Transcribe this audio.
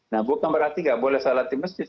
nah bukan berarti tidak boleh salah di masjid